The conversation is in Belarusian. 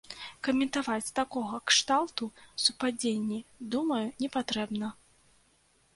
Каментаваць такога кшталту супадзенні, думаю, не патрэбна.